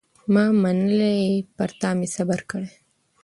ما منلی یې پر تا مي صبر کړی